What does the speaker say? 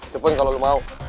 cepuin kalau lo mau